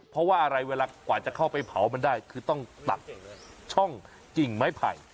เพราะว่าอะไรเวลากว่าจะเข้าไปเผามันได้คือต้องตัดช่องกิ่งไม้ไผ่